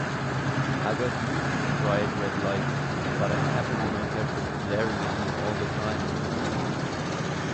I got used to the bright red lights, but I'm happy to not have those blaring at me all the time anymore.